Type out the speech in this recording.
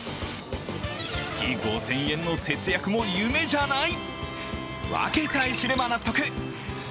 月５０００円の節約も夢じゃない！